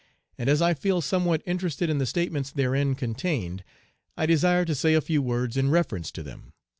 and as I feel somewhat interested in the statements therein contained, I desire to say a few words in reference to them.